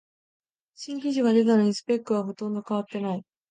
新機種が出たのにスペックはほとんど変わってない